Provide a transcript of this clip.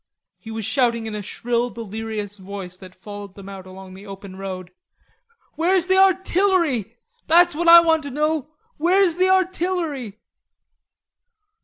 He was shouting in a shrill delirious voice that followed them out along the open road. "Where's the artillery? That's what I want to know; where's the artillery?"